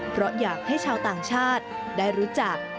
เพราะอยากให้ชาวต่างชาติได้รู้จัก